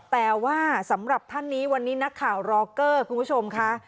แต่ว่าสำหรับท่านนี้วันนี้นักข่าวรอเกอร์คุณผู้ชมค่ะ